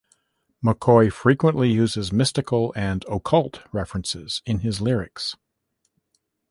McCoy frequently uses mystical and occult references in his lyrics.